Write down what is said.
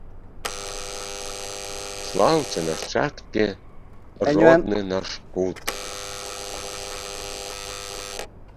Слаўце, нашчадкі, родны наш кут!